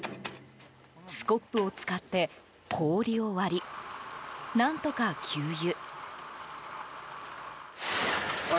スコップを使って、氷を割り何とか給油。